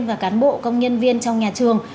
và cán bộ công nhân viên trong nhà trường